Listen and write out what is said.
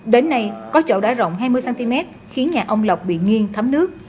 đến nay có chỗ đã rộng hai mươi cm khiến nhà ông lộc bị nghiêng thấm nước